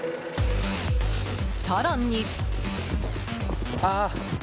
更に。